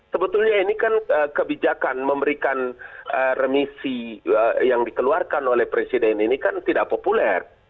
sebetulnya ini kan kebijakan memberikan remisi yang dikeluarkan oleh presiden ini kan tidak populer